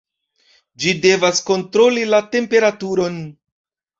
Ĝi devas kontroli la temperaturon.